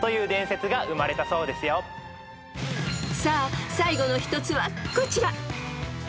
［さあ最後の１つはこちら］